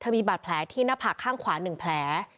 มีบาดแผลที่หน้าผากข้างขวา๑แผล